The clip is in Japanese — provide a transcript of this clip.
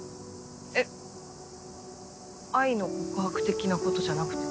えっ愛の告白的なことじゃなくて？